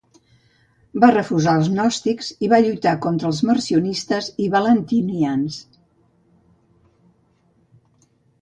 Va refutar als gnòstics i va lluitar contra els marcionites i valentinians.